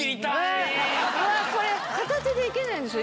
これ片手でいけないんですよ。